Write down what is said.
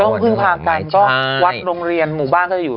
พึ่งพากันก็วัดโรงเรียนหมู่บ้านก็จะอยู่